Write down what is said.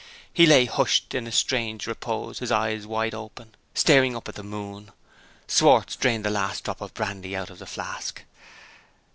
He lay hushed in a strange repose; his eyes wide open, staring up at the moon. Schwartz drained the last drop of brandy out of the flask.